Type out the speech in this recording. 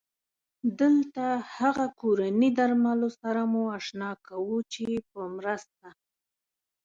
دلته هغه کورني درملو سره مو اشنا کوو چې په مرسته